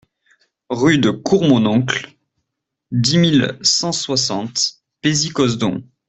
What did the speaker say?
Rue de Courmononcle, dix mille cent soixante Paisy-Cosdon